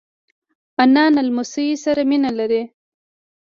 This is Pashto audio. انا له لمسیو سره مینه لري